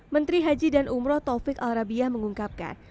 menteri haji dan umroh taufik al rabiah mengungkapkan